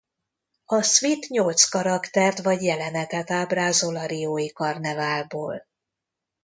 A szvit nyolc karaktert vagy jelenetet ábrázol a riói karneválból.